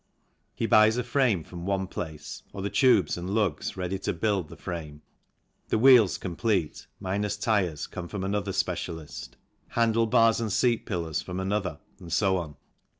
He buys a frame from one place, or the tubes and lugs ready to build the frame, the wheels complete, minus tyres, come from another specialist ; handlebars and seat pillars from another, and so on.